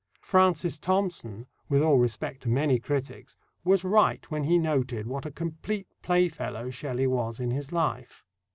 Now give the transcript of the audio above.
Francis Thompson, with all respect to many critics, was right when he noted what a complete playfellow Shelley was in his life.